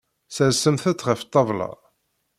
Sersemt-t ɣef ṭṭabla.